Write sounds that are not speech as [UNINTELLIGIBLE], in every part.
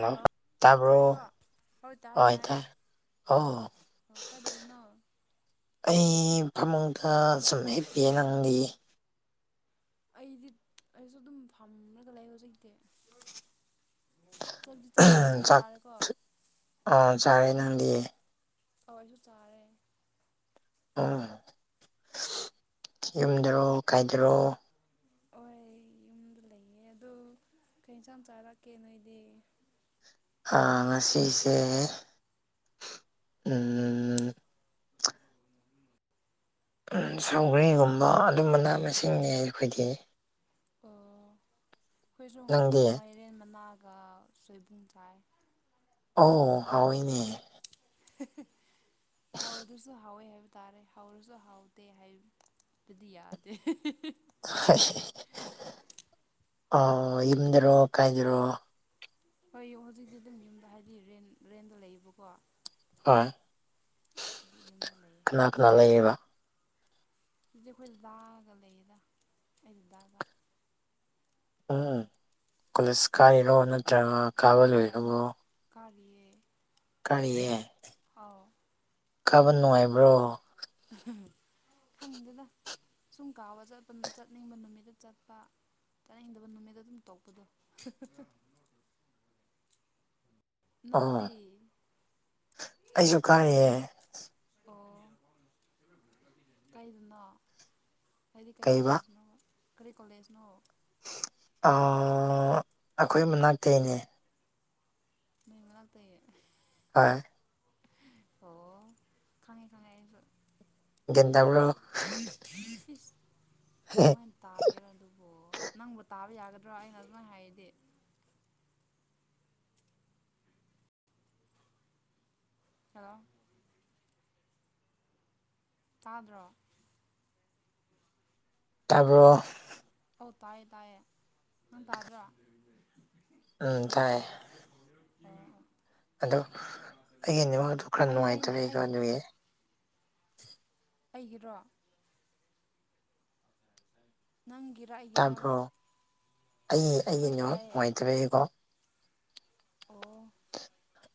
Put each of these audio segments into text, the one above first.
hello ꯇꯥꯏꯀꯣ ꯍꯣꯏ ꯑꯣ ꯀꯥꯏꯗꯧꯔꯤꯅꯣ ꯑꯩ ꯐꯃꯨꯡꯗ ꯁꯨꯝ ꯍꯦꯞꯄꯤꯑꯦ ꯅꯪꯗꯤ ꯑꯩꯗꯤ ꯑꯩꯁꯨ ꯑꯗꯨꯝ ꯐꯝꯔꯒ ꯂꯩ ꯍꯧꯖꯤꯛꯩꯇꯤ [UNINTELLIGIBLE] ꯆꯠ ꯆꯞ ꯆꯥꯛ ꯆꯥꯔꯦꯀꯣ ꯑꯥ ꯆꯥꯔꯦ ꯅꯪꯗꯤ [UNINTELLIGIBLE] ꯑꯣ ꯑꯩꯁꯨ ꯆꯥꯔꯦ ꯎꯝ ꯌꯨꯝꯗꯔꯣ ꯀꯥꯏꯗꯔꯣ ꯍꯣꯏ ꯌꯨꯝꯗ ꯂꯩꯌꯦ ꯑꯗꯨ ꯀꯩ ꯏꯟꯁꯥꯡ ꯆꯥꯔꯛꯀꯦ ꯅꯣꯏꯗꯤ ꯑ ꯉꯁꯤꯁꯦ [UNINTELLIGIBLE] ꯑꯝ ꯁꯧꯒꯔꯤꯒꯨꯝꯕ ꯑꯗꯨꯝꯕꯅ ꯃꯁꯤꯡꯅꯤ ꯑꯩꯈꯣꯏꯗꯤ ꯑꯩꯈꯣꯏꯁꯨ ꯅꯪꯗꯤ ꯃꯥꯏꯔꯦꯟ ꯃꯅꯥꯒ ꯁꯣꯏꯕꯨꯡ ꯁꯥꯏ ꯑ ꯍꯣꯏꯅꯦ ꯍꯥꯎ ꯑꯗꯨꯁꯨ ꯍꯥꯎꯋꯦ ꯍꯥꯏꯕ ꯇꯥꯔꯦ ꯍꯧꯔꯁꯨ ꯍꯥꯎꯗꯦ ꯍꯥꯏꯕꯗꯤ ꯌꯥꯗꯦ ꯑꯣ ꯌꯨꯝꯗꯔꯣ ꯀꯥꯏꯗꯔꯣ ꯍꯣꯏ ꯍꯧꯖꯤꯛꯇꯤ ꯑꯗꯨꯝ ꯌꯨꯝꯗ ꯍꯥꯏꯗꯤ ꯔꯦꯟ ꯔꯦꯟꯗꯣ ꯂꯩꯌꯦꯕꯀꯣ ꯍꯣꯏ ꯑꯗꯨ ꯌꯨꯝꯗ ꯂꯩꯌꯦ ꯀꯅꯥ ꯀꯅꯥ ꯂꯩꯔꯤꯕꯕ ꯁꯤꯁꯦ ꯑꯩꯈꯣꯏꯅ ꯗꯥꯑꯒ ꯂꯩꯌꯦꯗ ꯑꯩꯁꯤꯗꯥꯗ ꯎꯝ ꯀꯂꯁ ꯀꯥꯏꯔꯣꯅ ꯍꯣꯏ ꯍꯣꯏ ꯀꯔꯤ ꯀꯥꯔꯤꯌꯦ ꯀꯥꯕ ꯅꯨꯡꯉꯥꯏꯕ꯭ꯔꯣ ꯈꯪꯗꯦꯗ ꯁꯨꯝ ꯀꯥꯎꯕ ꯆꯠꯄ ꯆꯠꯅꯤꯡꯕ ꯅꯨꯃꯤꯠꯇ ꯆꯠꯄ ꯇꯥꯅꯤꯡꯗꯕ ꯅꯨꯃꯤꯠꯠꯇ ꯑꯗꯨꯝ ꯇꯣꯛꯄꯗꯣ ꯑꯣ ꯅꯪꯗꯤ ꯑꯩꯁꯨ ꯀꯥꯔꯤꯌꯦ ꯂꯩꯔ ꯑꯣ ꯀꯩꯗꯅꯣ ꯍꯥꯏꯗꯤ ꯀꯩ ꯀꯩꯕ ꯀꯣꯂꯦꯖꯅꯣ ꯀꯔꯤ ꯀꯣꯂꯦꯖꯅꯣ ꯑꯩꯈꯣꯏ ꯃꯅꯥꯛꯇꯅꯦ ꯃꯤꯉ ꯇ ꯍꯣꯏ ꯑꯣ ꯈꯉꯩ ꯈꯉꯩꯁꯨ ꯒ꯭ꯌꯥꯟ ꯇꯥꯕ꯭ꯔꯣ ꯏꯁ ꯋꯥꯅꯤ ꯇꯥꯒꯦꯔ ꯑꯗꯨꯕꯨ ꯅꯪꯕꯨ ꯇꯥꯕ ꯌꯥꯒꯗ꯭ꯔꯣ ꯑꯩꯅ ꯑꯗꯨꯃꯥꯏꯅ ꯍꯥꯏꯔꯗꯤ ꯑ ꯇꯥꯗ꯭ꯔꯣ ꯇꯥꯔꯕꯣ ꯑꯧ ꯇꯥꯏꯌꯦ ꯇꯥꯏꯌꯦ ꯅ ꯇꯗ꯭ꯔꯥ [INAUDIBLE] ꯎꯝ ꯇꯥꯏ ꯑꯗꯣ ꯑꯩꯒꯤꯅꯤꯃꯛ ꯑꯗꯨ ꯈꯔ ꯑꯩ ꯑꯩꯅ ꯅꯨꯡꯉꯥꯏꯇꯕ ꯑꯩꯒꯣ ꯑꯩ ꯑꯗꯨꯒꯤ ꯑꯩꯒꯤꯔꯣ ꯅꯪꯒꯤꯔꯛ ꯇꯥꯕ꯭ꯔꯣ ꯑꯩ ꯍꯣꯏ ꯑꯩꯒꯤꯩꯅ ꯇꯥꯏꯌꯦ ꯅꯨꯡꯉꯥꯏꯇꯕꯅꯦꯀꯣ ꯑꯣ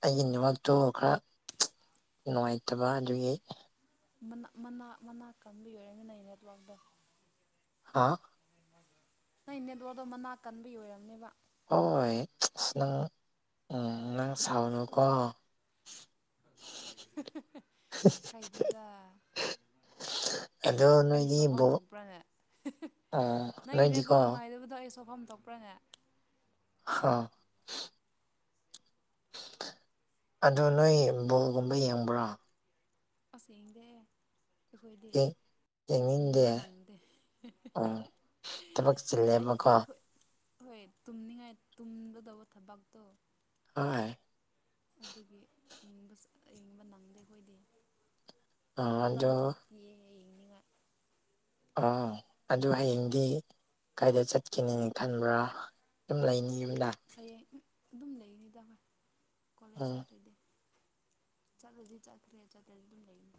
ꯑꯩꯒꯤ ꯅꯨꯃꯛꯇꯨ ꯈꯔ ꯅꯨꯡꯉꯥꯏꯇꯕ ꯑꯗꯨꯒꯤ ꯃꯅꯥ ꯃꯅꯥꯛ ꯀꯪꯕꯤ ꯑꯣꯏ ꯑꯣꯏꯔꯅꯤꯅ ꯑꯩ ꯅꯦꯠꯋꯥꯛꯗ ꯍꯥꯥ ꯅ ꯏꯅꯦꯗꯣꯗꯣ ꯃꯅꯥꯛ ꯀꯟꯕ ꯑꯣꯏꯔꯝꯅꯦꯕ ꯍꯣꯏ ꯑꯁ ꯅꯪ ꯎ ꯅꯪ ꯁꯥꯎꯅꯨꯀꯣ ꯀꯩꯗꯦꯗ ꯑꯗꯣ ꯑꯩ ꯅꯣꯏꯗꯤ ꯁꯣꯛꯐꯝ ꯕꯣꯜ ꯊꯣꯛꯄ꯭ꯔꯥꯅꯦ ꯑꯥ ꯅꯪꯒꯤ ꯅꯦꯠꯋꯥꯛ ꯅꯣꯏꯗꯤꯀꯣ ꯅꯨꯡꯉꯥꯏꯗꯕꯗꯣ ꯑꯩ ꯁꯣꯛꯐꯝ ꯊꯣꯛꯄ꯭ꯔꯅꯦ ꯍꯥꯎ ꯑꯗꯨ ꯅꯣꯏ ꯕꯣꯒꯨꯝꯕ ꯌꯦꯡꯕ꯭ꯔꯥ ꯇꯁꯦꯡꯗꯤ ꯑꯩꯈꯣꯏꯗꯤ ꯌꯦ- ꯌꯦꯡꯅꯤꯡꯗꯦ ꯌꯦꯡꯕ ꯅꯪꯗꯦ ꯎꯝ ꯊꯕꯛ ꯑꯩ ꯆꯤꯜꯂꯦꯕꯀꯣ ꯍꯣꯏ ꯍꯣꯏ ꯇꯨꯝꯅꯤꯡꯉꯥꯏ ꯇꯨꯝꯒꯗꯧꯕ ꯊꯕꯛꯇꯣ ꯍꯣꯏ ꯑꯗꯨꯒꯤꯕ ꯏꯪꯕ ꯅꯪꯗꯦ ꯑꯩꯈꯣꯏꯗꯤ ꯑ ꯃꯇꯝ ꯑꯗꯨ ꯊꯣꯛ ꯌꯦ ꯌꯦꯡꯅꯤꯡꯉ ꯑ ꯑꯗꯨ ꯍꯌꯦꯡꯗꯤ ꯀꯥꯏꯗ ꯆꯠꯀꯅꯤꯅ ꯈꯟꯕ꯭ꯔꯥ ꯁꯨꯝ ꯂꯩꯅꯤ ꯌꯨꯝꯗ ꯍꯌꯦꯡ ꯑꯗꯨꯝ ꯂꯩꯅꯤꯗꯃ ꯀꯣꯂꯦꯖ ꯎꯝ ꯆꯠꯇ꯭ꯔꯗꯤ ꯆꯥꯠꯜ ꯗꯤ ꯆꯠꯈꯔ‌ꯦ ꯆꯠ ꯇꯔꯥꯗꯤ ꯗꯨꯝ ꯂꯩꯅꯤ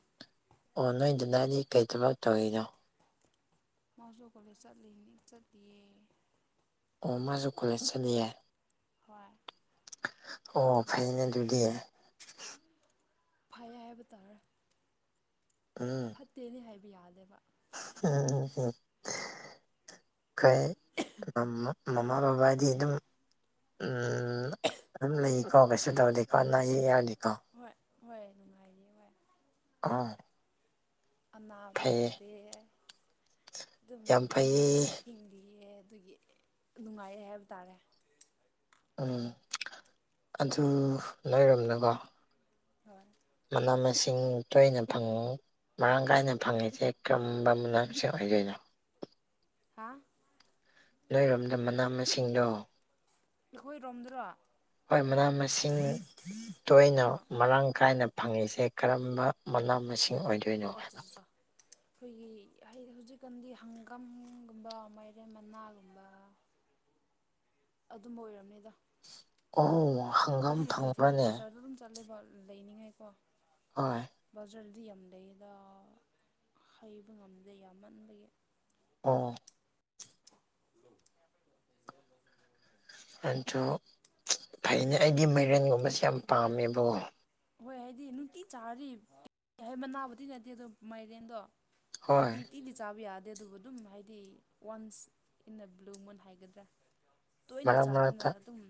ꯑꯣ ꯅꯣꯏꯗꯗꯥ ꯑꯩꯗꯤ ꯀꯩ ꯊꯕꯛ ꯇꯧꯋꯤꯅꯣ ꯃꯖꯨ ꯀ‌ꯣꯂ‌ꯦꯁ ꯆꯠꯂꯤꯅꯤ ꯆꯠꯂꯤꯌꯦ ꯑꯣ ꯃꯥꯖꯨ ꯀꯣꯂꯦꯁ ꯆꯠꯂꯤꯌꯦ ꯍꯣꯏ ꯑꯣ ꯐꯩꯅꯦ ꯑꯗꯨꯗꯤ ꯐꯩ ꯍꯥꯏꯕ ꯇꯥꯔ ꯎꯝ ꯐꯠꯇꯦꯗꯤ ꯍꯥꯏꯕ ꯌꯥꯗꯦꯕ ꯎꯝ ꯀꯩ ꯀꯏꯃ ꯃꯃꯥ ꯕꯕꯥ ꯗꯤ ꯑꯗꯨꯝ ꯎ ꯑꯗꯨꯝ ꯂꯩ ꯀꯣ ꯀꯩꯁꯨ ꯇꯧꯗꯦꯀꯣ ꯑꯅꯥ ꯑꯌꯦꯛ ꯌꯥꯗꯤꯀꯣ ꯍꯣꯏ ꯍꯣꯏ ꯅꯨꯡꯉꯥꯏꯔꯤ ꯍꯣꯏ ꯑꯥ ꯑꯅꯥꯕ ꯐꯩꯌꯦ ꯌꯥꯎꯗꯦ ꯑꯗꯨꯝ ꯌꯥꯝ ꯐꯩꯌꯦ ꯅꯨꯡꯉꯥꯏꯅ ꯍꯤꯡꯂꯤꯌꯦ ꯑꯗꯨꯒꯤ ꯅꯨꯡꯉꯥꯏꯔꯦ ꯍꯥꯏꯕ ꯇꯥꯔꯦ ꯎꯝ ꯑꯗꯨ ꯂꯩꯔꯝꯅꯀꯣ ꯍꯣꯏ ꯃꯅꯥ ꯃꯁꯤꯡ ꯇꯣꯏꯅ ꯐꯪꯉꯨ ꯃꯔꯥꯡ ꯀꯥꯏꯅ ꯐꯪꯉꯤꯁꯦ ꯀꯔꯝꯕ ꯃꯅꯥ ꯃꯁꯤꯡ ꯑꯣꯏꯗꯣꯏꯅꯣ ꯍꯥꯥ ꯅꯣꯏꯔꯣꯝꯗ ꯃꯅꯥ ꯃꯁꯤꯡꯗꯣ ꯑꯩꯈꯣꯏꯔꯣꯝꯗ꯭ꯔꯣ ꯍꯣꯏ ꯃꯅꯥ ꯃꯁꯤꯡ ꯇꯣꯏꯅ ꯑꯣ ꯃꯔꯥꯡ ꯀꯥꯏꯅ ꯐꯪꯉꯤꯁꯦ ꯀꯔꯝꯕ ꯃꯅꯥ ꯃꯁꯤꯡ ꯑꯣꯏꯗ ꯑꯣ ꯑꯠꯆ ꯆ ꯑꯩꯈꯣꯏꯒꯤ ꯍꯧꯖꯤꯛꯀꯥꯟꯗꯤ ꯍꯪꯒꯝꯒꯨꯝꯕ ꯃꯥꯏꯔꯦꯝ ꯃꯅꯥꯒꯨꯝꯕ ꯑꯗꯨꯝꯕ ꯑꯣꯏꯔꯝꯅꯤꯗ ꯑꯣ ꯍꯪꯒꯥꯝ ꯍꯧꯖꯤ ꯀꯩꯊꯦꯜ ꯐꯪꯕ꯭ꯔꯅꯦ ꯕꯖꯥꯔꯗ ꯑꯗꯨꯝ ꯆꯠꯂꯦꯕ ꯂꯩꯅꯤꯡꯉꯥꯏꯀꯣ ꯍꯣꯏ ꯕꯖꯥꯔꯗꯤ ꯌꯥꯝ ꯂꯩꯗ ꯍꯩꯕ ꯉꯝꯗꯦ ꯌꯥꯝꯃꯟꯕꯒꯤ ꯑ‌ꯣ [INAUDIBLE] ꯑꯗꯨ ꯐꯩꯅ‌ꯦ ꯑꯩꯗꯤ ꯃꯥꯏꯔꯦꯟꯒꯨꯝꯕꯁꯦ ꯌꯥꯝ ꯄꯥꯝꯃꯦꯕꯣ ꯍꯣꯏ ꯍꯥꯏꯗꯤ ꯅꯨꯡꯇꯤ ꯆꯥꯔꯗꯤ ꯍꯥꯏ ꯃꯅꯥꯕꯨꯗꯤ ꯅꯠꯇꯦ ꯑꯗꯣ ꯃꯥꯏꯔꯦꯟꯗꯣ ꯍꯣꯏ ꯇꯤꯗꯤ ꯆꯥꯕ ꯌꯥꯗꯦ ꯑꯗꯨꯕꯨ ꯑꯗꯨꯝ ꯍꯥꯏꯗꯤ ꯋꯥꯟꯁ ꯏꯟ ꯑꯦ ꯕ꯭ꯂꯨ ꯃꯨꯟ ꯍꯥꯏꯒꯗ꯭ꯔꯥ ꯇꯣꯏꯅ ꯃꯔꯛ ꯆꯥꯗꯨꯅ ꯃꯔꯛꯇ ꯑꯗꯨꯝ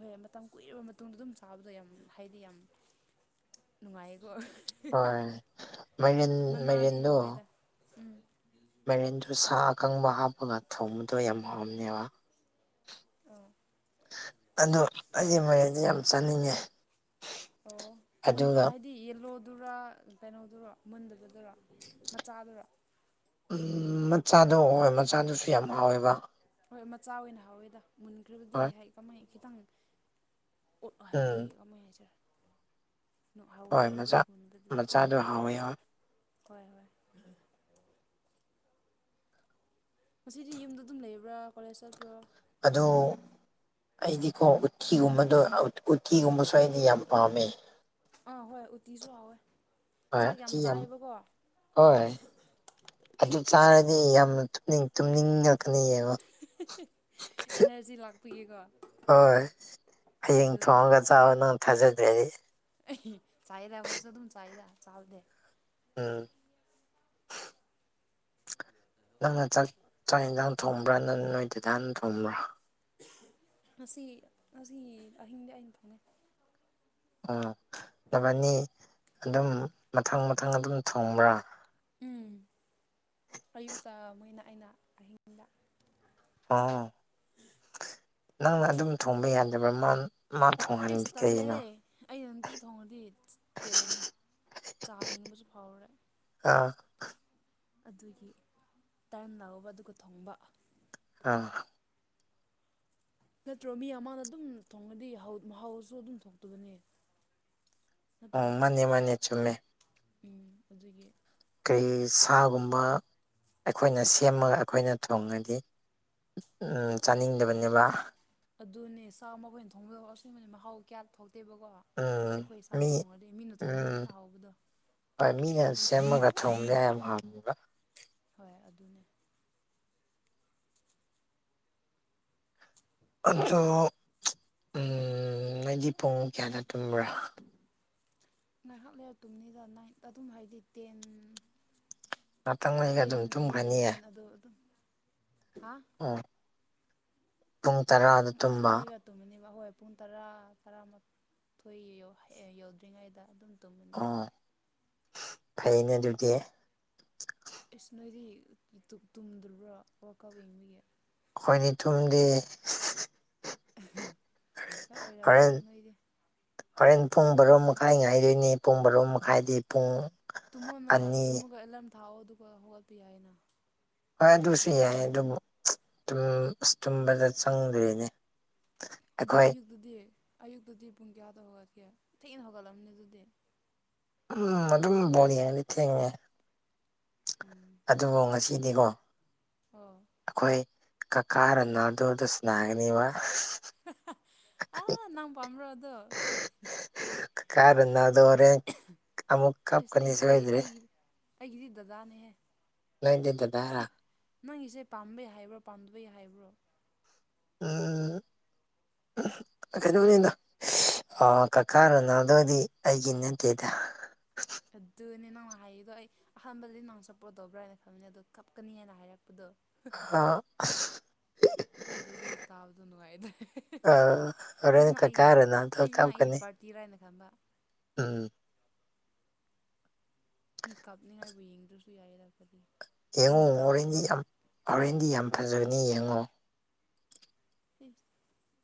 ꯍꯣꯏ ꯃꯇꯝ ꯀꯨꯏꯔꯕ ꯃꯇꯨꯡꯗ ꯑꯗꯨꯝ ꯆꯥꯕꯗꯣ ꯌꯥꯝ ꯍꯥꯏꯗꯤ ꯌꯥꯝ ꯅꯨꯡꯉꯥꯏꯀꯣ ꯍꯣꯏ ꯃꯥꯏꯔꯦꯟ ꯃꯅꯥꯗꯤ ꯍꯥꯎꯋꯦꯗ ꯎꯝ ꯃꯦꯔꯦꯟꯗꯨ ꯁꯥ ꯑꯀꯪꯕ ꯍꯥꯞꯄꯒ ꯊꯣꯡꯕꯗꯣ ꯌꯥꯝ ꯍꯥꯎꯔꯝꯅꯦꯕ ꯑꯥ ꯑꯗ‌ꯣ ꯑꯩ ꯃꯥꯏꯔ‌ꯦꯅ ꯗꯤ ꯌꯥꯝ ꯆꯥꯅꯤꯡꯉꯦ ꯑꯗꯨꯒ ꯗꯤ ꯌꯦꯜꯂꯣꯗꯨꯔꯥ ꯀꯩꯅꯣꯗꯨꯔ ꯃꯨꯟꯗꯕꯗꯨꯔ‌ꯣ ꯃꯆꯥꯗꯨꯔꯥ ꯑꯝ ꯃꯆꯥꯗꯣ ꯍꯣꯏ ꯃꯆꯥꯗꯨꯁꯨ ꯌꯥꯝ ꯍꯥꯎꯋꯦꯕ ꯍꯣꯏ ꯃꯆꯥ ꯑꯣꯏꯅ ꯍꯥꯎꯋꯦꯗ ꯃꯨꯟꯈ꯭ꯔꯕꯗꯤ ꯍꯣꯏ ꯀꯃꯥꯏ ꯈꯤꯇꯪ ꯑꯣꯠ ꯍꯥꯏꯗꯤ ꯎꯝ ꯀꯃꯥꯏꯅ ꯍꯥꯏꯖꯔ ꯅꯨꯍꯥꯎꯗꯦ ꯍꯣꯏ ꯑꯩꯗꯤ ꯃꯆꯥ ꯃꯨꯟꯕꯗꯨꯗꯤ ꯃꯆꯥꯗꯣ ꯍꯥꯎꯋꯦ ꯍꯣꯏ ꯍꯣꯏ ꯍꯣꯏ ꯉꯁꯤꯗꯤ ꯌꯨꯝꯗ ꯑꯗꯨꯝ ꯂꯩꯕ꯭ꯔꯥ ꯀꯣꯂꯦꯖ ꯆꯠꯄ꯭ꯔꯣ ꯑꯗꯨ ꯑꯩꯗꯤꯀꯣ ꯎꯠꯇꯤꯒꯨꯝꯕꯗꯣ ꯎꯠꯇꯤꯒꯨꯝꯕꯁꯨ ꯑꯩꯗꯤ ꯌꯥꯝ ꯄꯥꯝꯃꯦ ꯑꯥ ꯍꯣꯏ ꯎꯇꯤꯁꯨꯎꯋꯣꯏ ꯍꯣꯏ ꯌꯥꯝ ꯍꯣꯏ ꯑꯗꯨ ꯆꯥꯔꯗꯤ ꯑꯩ ꯌꯥꯝꯅꯅꯤꯡ ꯇꯨꯝꯅꯤꯡꯉꯛꯀꯅꯤꯑꯕ ꯑꯦꯅꯔꯖꯤ ꯂꯥꯛꯄꯤꯌꯦꯀꯣ ꯑꯗꯨꯅꯦ ꯆꯅ ꯊꯖꯦꯔꯤ ꯆꯥꯏꯗ ꯍꯣꯏꯁꯨ ꯑꯗꯨꯝ ꯆꯥꯏꯗ ꯆꯥꯗꯦ ꯎꯝ ꯅꯪꯅ ꯆꯥꯛ ꯆꯥꯛ ꯌꯦꯟꯁꯥꯡ ꯊꯣꯡꯕ꯭ꯔꯥ ꯅꯪ ꯅꯣꯏ ꯇꯗꯥꯅ ꯊꯣꯡꯕ꯭ꯔꯥ ꯉꯁꯤ ꯉꯁꯤ ꯑꯍꯤꯡꯗꯤ ꯑꯩꯅ ꯊꯣꯡꯉꯦ ꯑꯣ ꯅꯅꯤ ꯑꯗꯨꯝ ꯃꯊꯪ ꯃꯊꯪ ꯑꯗꯨꯝ ꯊꯣꯡꯕ꯭ꯔꯥ ꯎꯝ ꯑꯌꯨꯛꯇ ꯃꯣꯏꯅ ꯑꯩꯅ ꯑꯍꯤꯡꯗ ꯑꯣ ꯅꯪꯅ ꯑꯗꯨꯝ ꯊꯣꯡꯕ ꯌꯥꯗꯕ꯭ꯔꯥ ꯃꯥ ꯃꯥ ꯐꯣꯟ ꯑꯩꯁ ꯇꯜꯂꯦ ꯑꯩꯩꯅ ꯅꯨꯡꯇꯤ ꯊꯣꯡꯉꯗꯤ ꯄꯦꯜꯂꯅꯤ ꯆꯥꯅꯤꯡꯕꯁꯨ ꯐꯥꯎꯔꯦ ꯑꯥ ꯑꯗꯨꯒꯤ ꯇꯥꯏꯝ ꯂꯥꯛꯕ ꯑꯗꯨꯒ ꯊꯣꯡꯕ ꯑ ꯅꯠꯇ꯭ꯔꯣ ꯃꯤ ꯑꯃꯅ ꯑꯗꯨꯝ ꯊꯣꯡꯉꯗꯤ ꯃꯍꯥꯎꯁꯨ ꯑꯗꯨꯝ ꯊꯣꯛꯇꯕꯅꯦ ꯑꯣ ꯅꯠꯇ꯭ꯔꯣ ꯃꯥꯅꯦ ꯃꯥꯅꯦ ꯆꯨꯝꯃꯦ ꯎꯝ ꯑꯗꯨꯒꯤ ꯀꯔꯤ ꯁꯥꯒꯨꯝꯕ ꯑꯩꯈꯣꯏꯅ ꯁꯦꯝꯃꯒ ꯑꯩꯈꯣꯏꯅ ꯊꯣꯡꯉꯗꯤ ꯆꯥꯅꯤꯡꯗꯕꯅꯦꯕ ꯑꯗꯨꯅꯦ ꯆꯥꯛꯃ ꯃꯈꯣꯏꯅ ꯊꯣꯡꯗꯣꯛꯛꯑꯣ ꯑꯁꯕꯅꯦ ꯃꯍꯥꯎ ꯀꯌꯥ ꯊꯣꯛꯇꯦꯕꯀꯣ ꯎꯝ ꯑꯩꯈꯣꯏ ꯏꯁꯥꯅ ꯃꯤ ꯊꯣꯡꯉꯗꯤ ꯃꯤꯅ ꯊꯣꯡꯕꯗꯣ ꯎꯝ ꯍꯦꯟꯅ ꯍꯥꯎꯕꯗꯣ ꯍꯣꯏ ꯃꯤꯅ ꯁꯦꯝꯃꯒ ꯊꯣꯡꯒꯦ ꯍꯣꯏ ꯑꯗꯨꯅꯦ [INAUDIBLE] ꯑꯗꯣ ꯅꯪꯗꯤ ꯄꯨꯡ ꯀꯌꯥꯗ ꯇꯨꯝꯕ꯭ꯔꯥ ꯉꯥꯏꯍꯥꯛ ꯂꯩꯔꯥꯛꯛꯇꯨꯝꯅꯤꯗ ꯅꯥꯏꯠ ꯑꯗꯨꯝ ꯍꯥꯏꯕꯗꯤ ꯇꯦꯟ ꯉꯥꯛꯇꯪ ꯂꯩꯒ ꯇꯦꯟ ꯑꯗꯨꯝ ꯇꯨ ꯇꯨꯝꯈ꯭ꯔꯅꯤꯌꯦ ꯑꯦꯂꯚꯦꯟ ꯑꯗꯣ ꯑꯗꯨꯝ ꯍꯥ ꯑꯣ ꯄꯨꯡ ꯇꯔꯥꯗ ꯇꯨꯝꯕ ꯇꯨꯝꯃꯅꯤꯕ ꯑꯩꯈꯣꯏ ꯄꯨꯡ ꯇꯔꯥ ꯇꯔꯥꯃꯥꯊꯣꯏ ꯌꯧꯗ꯭ꯔꯤꯉꯩꯗ ꯑꯗꯨꯝ ꯇꯨꯝꯃꯤꯅꯤ ꯑꯣ ꯐꯩꯅꯦ ꯗꯌꯨꯇꯦ ꯑꯦꯁ ꯅꯣꯏꯗꯤ ꯇꯨꯝꯗ꯭ꯔꯤꯕ꯭ꯔꯥ ꯋꯥꯛ ꯑꯥꯎꯞ ꯌꯦꯡꯕꯤꯒꯦ ꯑꯩꯈꯣꯏꯅꯤ ꯇꯨꯝꯗꯤ ꯍꯣꯏ ꯍꯣꯔꯦꯟ ꯑꯣꯏꯔꯕꯝꯅꯤꯗ ꯅꯣꯏꯗꯤ ꯍꯣꯔꯦꯟ ꯄꯨꯡ ꯔꯣ ꯃꯈꯥꯏ ꯉꯥꯏꯗꯣꯏꯅꯤ ꯄꯨꯡ ꯕꯔꯣ ꯃꯈꯥꯏꯗꯤ ꯄꯨꯡ ꯇꯨꯃꯣꯅ ꯑꯅꯤ ꯇꯨꯃꯒ ꯑꯦꯂꯥꯔꯝ ꯊꯥꯛꯑꯣ ꯑꯗꯨꯒ ꯍꯧꯒꯠꯄꯤ ꯍꯥꯏꯏ ꯍꯥꯏꯅ ꯍꯣꯏ ꯑꯗꯨꯁꯨ ꯌꯥꯏ ꯑꯗꯨꯕꯨ ꯑꯁ ꯇꯨꯝꯕꯗ ꯆꯪꯗ꯭ꯔꯤꯅꯦ ꯑꯗ ꯑꯩꯈꯣꯏ ꯑꯌꯨꯛꯇꯨꯗꯤ ꯑꯌꯨꯛꯇꯨꯗꯤ ꯄꯨꯡ ꯀꯌꯥꯗ ꯍꯧꯒꯠꯀꯦ ꯊꯦꯡꯅ ꯍꯧꯒꯠꯂꯝꯅꯤ ꯑꯗꯨꯗꯤ ꯎꯝ ꯑꯗꯨꯝ ꯐꯣꯅꯤ ꯂꯩꯆꯉ ꯎꯝ ꯑꯗꯨꯕꯨ ꯉꯁꯤꯗꯤꯀꯣ ꯍ ꯑꯩꯈꯣꯏ ꯀꯀꯥꯔꯅ ꯑꯗꯨꯗ ꯁꯅꯥꯒꯅꯤꯕ ꯑꯥ ꯅꯪ ꯄꯥꯝꯕ꯭ꯔꯣ ꯑꯗꯣ ꯀꯔ ꯅ ꯑꯗꯔꯦꯟ ꯑꯃꯃꯨꯛ ꯀꯞ ꯑꯁ ꯑꯩ ꯀꯅꯤꯤꯁ ꯑꯩ ꯍꯣꯏꯗ꯭ꯔꯤ ꯑꯩꯒꯤ ꯑꯩꯒꯤꯗꯤ ꯗꯗꯥꯅꯦꯍꯦ ꯅꯩꯗꯗ ꯦꯔ ꯑꯦ ꯅꯪꯒꯤꯁꯦ ꯄꯥꯝꯕꯩ ꯍꯥꯏꯕ꯭ꯔꯣ ꯄꯥꯝꯗꯕꯩ ꯍꯥꯏꯕ꯭ꯔꯣ ꯑ ꯀꯩꯅꯣꯅꯤꯅ ꯀꯀꯥꯅꯣꯅꯥꯗꯗꯤ ꯑꯩꯒꯤ ꯅꯠꯇꯦꯗ ꯑꯗꯨꯅꯦ ꯅꯪꯅ ꯍꯥꯏꯗꯣ ꯑꯩ ꯑꯍꯥꯟꯕꯗ ꯅꯪ ꯁꯞꯄꯣꯔ ꯇꯧꯕ꯭ꯔꯥ ꯍꯥꯏꯅ ꯈꯜꯕꯅꯤ ꯑꯗꯣ ꯀꯞꯀꯅꯤ ꯍꯥꯏꯅ ꯍꯥꯏꯔꯛꯄꯗꯣ ꯑ ꯑꯗꯨꯗꯤ ꯑꯩ ꯇꯥꯕꯗꯣ ꯅꯨꯡꯉꯥꯏꯗ꯭ꯔꯦ ꯑꯥ ꯍꯣꯔꯦꯟ ꯑꯩꯅ ꯀꯀꯥ ꯑꯩꯒꯤ ꯔꯣꯅꯥꯜꯗꯣ ꯑꯩꯁꯤꯅ ꯑꯩ ꯀꯞꯀꯅꯤ ꯄꯔ ꯇꯤꯔꯥꯏꯅ ꯈꯟꯕ ꯎꯝ ꯃꯤ ꯀꯥꯞꯅꯤꯡꯉꯥꯏꯕꯨ ꯌꯦꯡꯗ꯭ꯔꯁꯨ ꯌꯥꯏꯌꯦ ꯂꯥꯛꯄꯗꯤ ꯌꯦꯡꯉꯣ ꯍꯣꯔꯦꯟꯗꯤ ꯌꯥꯝ ꯍꯣꯔꯦꯟꯗꯤ ꯌꯥꯝ ꯐꯖꯕꯅꯤ ꯌꯦꯡꯉꯣ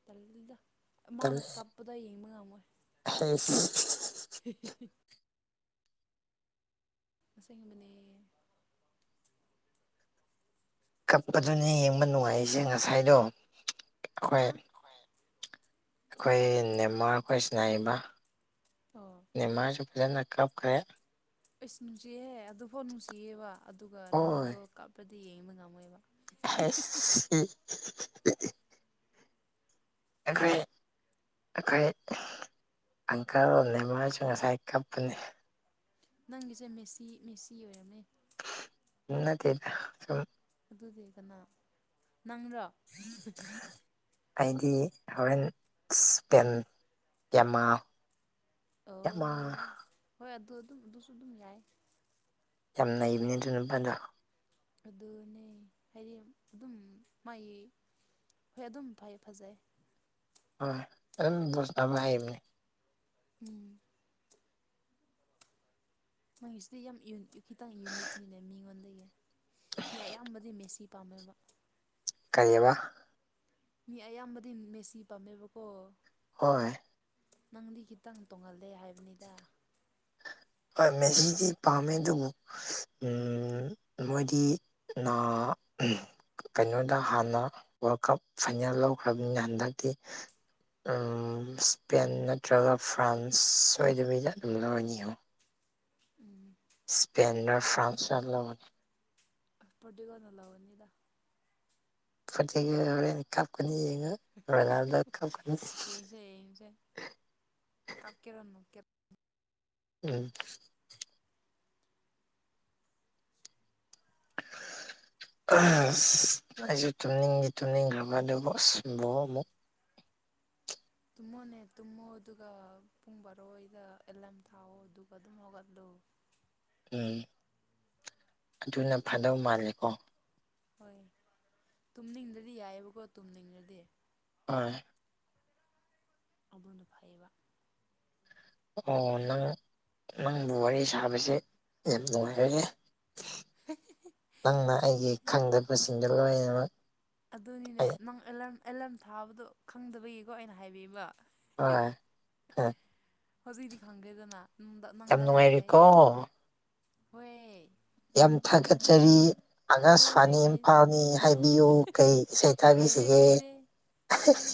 ꯗ ꯃꯥꯅ ꯀꯞꯄꯗ ꯌꯦꯡꯕ ꯉꯝꯃꯣꯏ ꯍ ꯍꯦꯍꯦ ꯉꯁꯥꯏ ꯃꯅ ꯀꯞꯄꯗꯨꯅꯤ ꯌꯦꯡꯕ ꯅꯨꯡꯉꯥꯏꯁꯦ ꯉꯁꯥꯏꯗꯣ ꯍꯥ ꯑꯩꯈꯣꯏ ꯑꯩꯈꯣꯏ ꯅꯦꯝꯃꯔ ꯑꯩꯈꯣꯏ ꯁꯤꯅꯥꯏꯔꯤꯕ ꯑꯣ ꯅꯅꯤꯃꯥꯖꯕꯖꯦꯟ ꯑꯀ꯭ꯔꯕꯈ ꯏꯁꯁ ꯅꯨꯡꯁꯤꯍꯦ ꯑꯗꯨꯐꯥꯎ ꯅꯨꯡꯁꯤꯌꯦꯕ ꯑꯗꯨꯒ ꯍꯣꯏ ꯔꯣꯅꯦꯜꯗꯣ ꯀꯥꯞꯄꯗꯤ ꯌꯦꯡꯕ ꯉꯝꯃꯣꯏꯕ ꯍꯦꯁꯤ ꯑꯩꯈꯣꯏ ꯑꯩꯈꯣꯏ ꯑꯪꯀꯜ ꯅꯃꯥꯁꯨ ꯉꯁꯥꯏ ꯀꯞꯄꯅꯤ ꯅꯪꯒꯤꯁꯦ ꯃꯦꯁꯤ ꯃꯦꯁꯤ ꯑꯣꯏꯔꯕꯝꯅꯦ ꯎꯠꯇꯗ ꯁꯨꯝ ꯑꯗꯨꯗꯤ ꯀꯅꯥ ꯅꯪꯗꯣ ꯑꯩꯗꯤ ꯍꯣꯔꯦꯟ ꯄꯦꯟ ꯀꯦꯃꯥ ꯑꯣ ꯍꯣꯏ ꯑꯗꯨ ꯑꯗꯨꯝ ꯑꯗꯨꯁꯨ ꯑꯗꯨꯝ ꯌꯥꯏ ꯌꯥꯝ ꯅꯩꯕꯅꯤ ꯑꯗꯨ ꯅꯨꯄꯥꯗ ꯑꯗꯨꯅꯦ ꯍꯥꯏꯗꯤ ꯑꯗꯨꯝ ꯃꯥꯒꯤ ꯍꯣꯏ ꯑꯗꯨꯝ ꯐꯩ ꯐꯖꯩ ꯍ ꯑꯗꯨ ꯣꯁ ꯊ ꯑꯃ ꯍꯥꯏꯃꯤꯅꯤ ꯎꯝ ꯃꯥꯪꯒꯤꯁꯤꯗꯤ ꯌꯥꯝ ꯈꯤꯇꯪ ꯌꯨꯅꯤꯛꯅꯤꯅꯦ ꯃꯤꯉꯣꯟꯗꯒꯤ ꯃꯤ ꯑꯌꯥꯝꯕꯗꯤ ꯃꯦꯁꯤ ꯄꯥꯝꯃꯦꯕ ꯀꯔꯤꯕ ꯃꯤ ꯑꯌꯥꯝꯕꯗꯤ ꯃꯦꯁꯤ ꯄꯥꯝꯃꯦꯕꯀꯣ ꯍꯣꯏ ꯅꯪꯗꯤ ꯈꯤꯇꯪ ꯇꯣꯡꯍꯜꯂꯦ ꯍꯥꯏꯕꯅꯤꯗ ꯍꯣꯏ ꯃꯦꯤꯗꯤ ꯄꯥꯝꯃꯦ ꯑꯗꯨꯕꯨ ꯃꯣꯏꯗꯤ ꯅ ꯀꯩꯅꯣꯗ ꯍꯥꯟꯅ ꯋꯥꯔꯜ ꯀꯞ ꯐꯥꯏꯅꯦꯜ ꯂꯧꯈ꯭ꯔꯕꯅꯤꯅ ꯍꯟꯗꯛꯇꯤ ꯏꯁꯄꯦꯟ ꯅꯠꯇ꯭ꯔꯒ ꯐ꯭ꯔꯥꯟꯁ ꯁꯣꯏꯗꯕꯤꯗ ꯑꯗꯨꯝ ꯂꯧꯅꯤꯉꯣ ꯎꯝ ꯏꯁꯄꯦꯟ ꯐ꯭ꯔꯥꯟꯁ ꯑꯃ ꯂꯧꯧꯕꯅꯤ ꯕꯧꯅ ꯂꯥꯛꯑꯣꯅꯤꯗ ꯐ ꯀꯥꯞꯀꯅꯤ ꯌꯦꯡꯉ ꯌꯦꯡꯁꯦ ꯌꯦꯁꯦ ꯀꯞ ꯀꯦꯔ ꯀꯦ ꯎꯝ ꯑꯩꯁꯨ ꯇꯨꯝꯅꯤꯡꯉ ꯇꯨꯝꯅꯤꯡꯈ꯭ꯔꯕ ꯑꯗꯨꯕꯨ ꯑꯁꯕꯣ ꯑꯃꯨꯛ ꯇꯨꯝꯃꯣꯅꯦ ꯇꯨꯝꯃꯣ ꯑꯗꯨꯒ ꯄꯨꯡ ꯕꯥꯔꯣꯏꯗ ꯑꯦꯂꯥꯔꯝ ꯊꯥꯛꯑꯣ ꯑꯗꯨꯒ ꯑꯗꯨꯝ ꯍꯧꯒꯠꯂꯨ ꯎꯝ ꯑꯗꯨꯅ ꯐꯗꯧ ꯃꯥꯜꯂꯦꯀꯣ ꯍꯣꯏ ꯇꯨꯝꯅꯤꯡꯗꯗꯤ ꯌꯥꯏꯑꯕꯀꯣ ꯇꯨꯝꯅꯤꯡꯗꯗꯤ ꯍꯣꯏ ꯑꯗꯨꯅ ꯐꯩꯌꯦꯕ ꯑꯣ ꯅꯪ ꯅꯪꯕꯨ ꯋꯥꯔꯤ ꯁꯥꯕꯁꯦ ꯌꯥꯝ ꯅꯨꯡꯉꯥꯏꯖꯔꯦ ꯅꯪꯅ ꯑꯩꯒꯤ ꯈꯪꯗꯕꯁꯤꯡꯗꯣ ꯂꯣꯏꯅꯃꯛ ꯑꯗꯨꯅꯤꯅꯦ ꯑꯩ ꯅꯪ ꯑꯦꯂꯥ ꯑꯦꯂꯥꯔꯝ ꯊꯥꯕꯗꯣ ꯈꯪꯗꯕꯒꯤꯀꯣ ꯑꯩꯅ ꯍꯥꯏꯕꯤꯕ ꯑ ꯍꯧꯖꯤꯛꯗꯤ ꯈꯪꯗꯦꯗꯅꯅꯨꯡ ꯪꯗꯥꯥꯎ ꯌꯥꯝ ꯐꯩꯑ ꯍꯣꯏ ꯌꯥꯝ ꯊꯥꯒꯠꯆꯔꯤ ꯍꯣꯏ ꯍꯣꯏ ꯑꯒꯁꯕꯥꯅꯤ ꯀꯥꯏ ꯏꯝꯐꯥꯜꯅꯤ ꯍꯥꯏꯕꯤꯌꯨ ꯀꯩ ꯏꯁꯩ ꯀꯥꯏꯗꯦ ꯊꯥꯕꯤꯁꯤꯒꯦ ꯀꯥꯏꯗꯦ ꯍꯣꯏ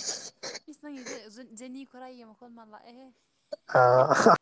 ꯏꯁ ꯅꯪꯉꯁꯨꯦ ꯖꯦꯅꯤ ꯈꯨꯔꯥꯏꯒꯤ ꯃꯈꯜ ꯃꯥꯜ ꯂꯥꯛꯑꯦꯍꯦ ꯑ